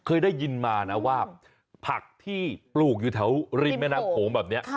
เคยได้ยินมานะว่าผักที่ปลูกอยู่แถวริมแม่น้ำโขงแบบนี้